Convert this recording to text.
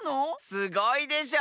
すごいでしょう？